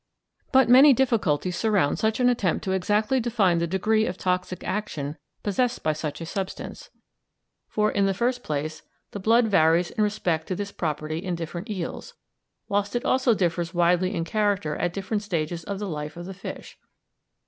But many difficulties surround such an attempt to exactly define the degree of toxic action possessed by such a substance, for, in the first place, the blood varies in respect to this property in different eels, whilst it also differs widely in character at different stages of the life of the fish.